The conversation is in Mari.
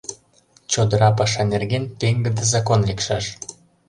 ЧОДЫРА ПАША НЕРГЕН ПЕҤГЫДЕ ЗАКОН ЛЕКШАШ